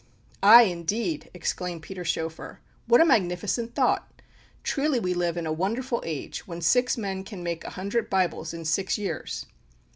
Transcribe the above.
"Aye, indeed!" exclaimed Peter Schoeffer, "What a magnificent thought! Truly we live in a wonderful age, when six men can make a hundred Bibles in six years!"